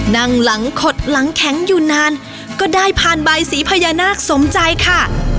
นั่งหลังขดหลังแข็งอยู่นานก็ได้ผ่านใบสีพญานาคสมใจค่ะ